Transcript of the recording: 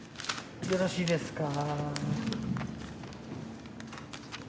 よろしいですか？